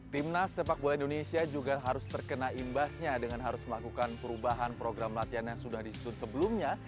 timnas sepak bola indonesia juga harus terkena imbasnya dengan harus melakukan perubahan program latihan yang sudah disusun sebelumnya